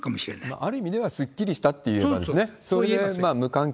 ある意味ではすっきりしたという感じですね。